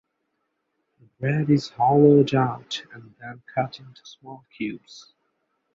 The bread is hollowed out and then cut into small cubes.